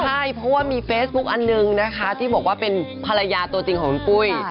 ใช่เพราะว่ามีเฟซบุ๊คอันหนึ่งนะคะที่บอกว่าเป็นภรรยาตัวจริงของคุณปุ้ย